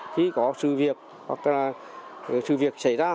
khi có sự việc hoặc là sự việc xảy ra